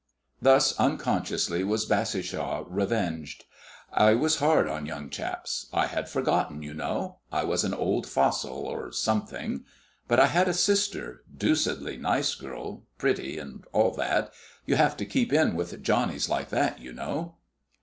Thus unconsciously, was Bassishaw revenged. I was hard on young chaps. I had forgotten, you know. I was an old fossil, or something. But I had a sister, deuced nice girl, pretty, and all that. You have to keep in with Johnnies like that, you know.